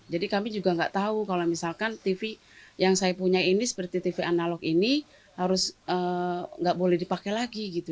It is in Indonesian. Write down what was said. jadi kami juga nggak tahu kalau misalkan tv yang saya punya ini seperti tv analog ini harus nggak boleh dipakai lagi gitu